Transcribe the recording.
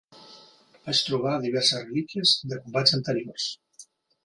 Vaig trobar diverses relíquies de combats anteriors